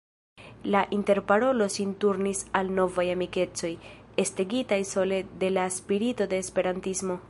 La interparolo sin turnis al novaj amikecoj, estigitaj sole de la spirito de Esperantismo.